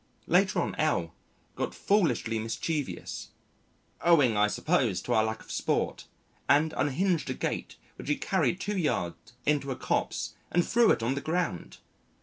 Later on, L got foolishly mischievous owing, I suppose, to our lack of sport and unhinged a gate which he carried two yards into a copse, and threw it on the ground.